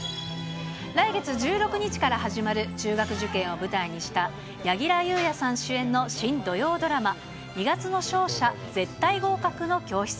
来月１６日から始まる、中学受験を舞台にした柳楽優弥さん主演の新土曜ドラマ、二月の勝者、絶対合格の教室。